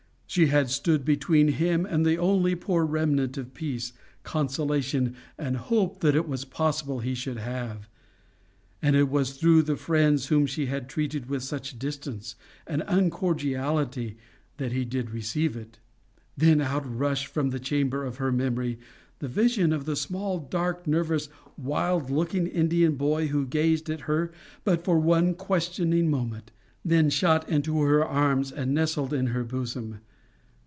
She had stood between him and the only poor remnant of peace, consolation, and hope that it was possible he should have; and it was through the friends whom she had treated with such distance and uncordiality that he did receive it. Then out rushed from the chamber of her memory the vision of the small dark nervous wild looking Indian boy who gazed at her but for one questioning moment, then shot into her arms and nestled in her bosom.